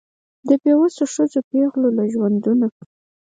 د بېوسو ښځو پېغلو له ژوندونه